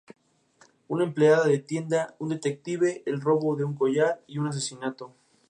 Una empleada de tienda, un detective, el robo de un collar y un asesinato.